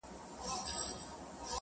• له ازل هېره افغانستانه-